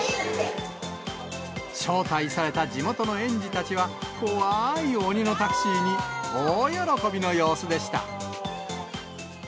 招待された地元の園児たちは、怖い鬼のタクシーに大喜びの様子でした。